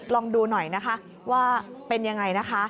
ลองดูหน่อยนะคะว่าเป็นยังไงนะคะ